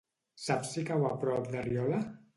Saps si cau a prop de Riola?